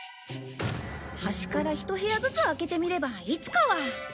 端からひと部屋ずつ開けてみればいつかは。